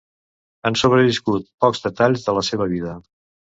Han sobreviscut pocs detalls de la seva vida.